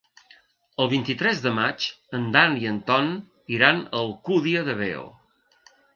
El vint-i-tres de maig en Dan i en Ton iran a l'Alcúdia de Veo.